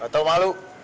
gak tahu malu